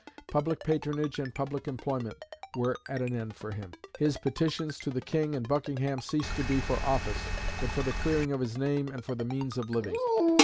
Public patronage and public employment were at an end for him. His petitions to the King and Buckingham ceased to be for office, but for the clearing of his name and for the means of living.